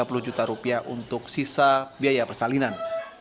rp tiga puluh juta rupiah untuk sisa biaya persalinan